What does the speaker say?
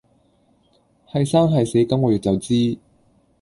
係生係死今個月就知